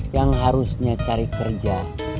yang harusnya cari kerja